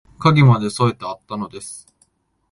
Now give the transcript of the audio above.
鍵まで添えてあったのです